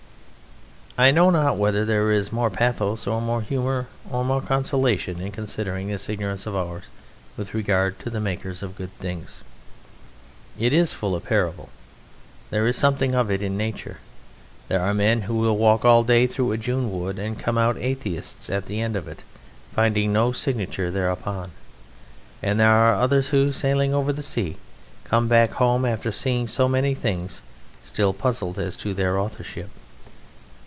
I know not whether there is more pathos or more humour or more consolation in considering this ignorance of ours with regard to the makers of good things. It is full of parable. There is something of it in Nature. There are men who will walk all day through a June wood and come out atheists at the end of it, finding no signature thereupon; and there are others who, sailing over the sea, come back home after seeing so many things still puzzled as to their authorship.